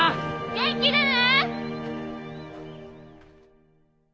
元気でね！